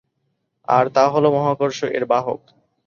আর তা হল মহাকর্ষ এর বাহক।